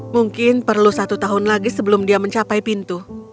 mungkin perlu satu tahun lagi sebelum dia mencapai pintu